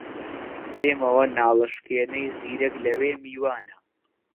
دێمەوە ناڵەشکێنەی زیرەک لەوێ میوانە